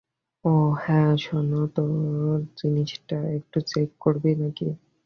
ও হ্যাঁ, শোন তোর জিনিসপত্র একটু চেক করবি নাকি?